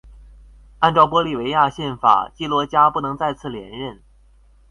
按照玻利维亚宪法基罗加不能再次连任。